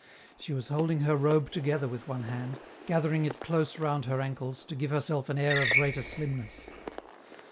She was holding her robe together with one hand, gathering it close round her ankles to give herself an air of greater slimness.